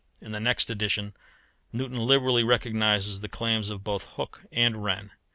In the next edition Newton liberally recognizes the claims of both Hooke and Wren.